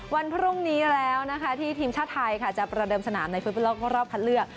วันพรุ่งนี้แล้วนะคะที่ทีมชาติไทยค่ะจะประเดิมสนามในฟุตบอลโลกรอบคัดเลือก